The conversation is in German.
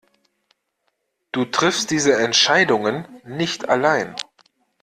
Du triffst diese Entscheidungen nicht allein.